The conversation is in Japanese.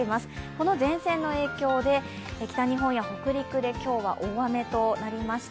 この前線の影響で、北日本や北陸で今日は大雨となりました。